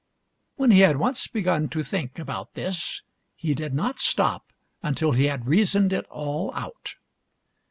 ". When he had once begun to think about this he did not stop until he had reasoned it all out.